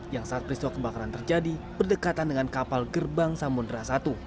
yang saat peristiwa kebakaran terjadi berdekatan dengan kapal gerbang samudera satu